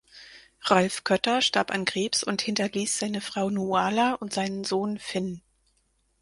Ralf Kötter starb an Krebs und hinterließ seine Frau Nuala und seinen Sohn Finn.